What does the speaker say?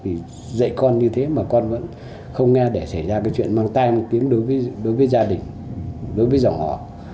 vì dạy con như thế mà con vẫn không nghe để xảy ra cái chuyện mang tay một tiếng đối với gia đình đối với dòng họ